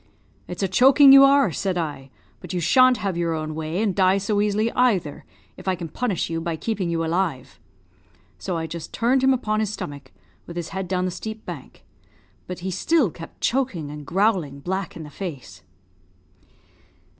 'It's a choking you are,' said I, 'but you shan't have your own way, and die so easily, either, if I can punish you by keeping you alive.' So I just turned him upon his stomach, with his head down the steep bank; but he still kept choking and growing black in the face."